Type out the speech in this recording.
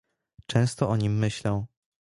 "Często o nim myślę."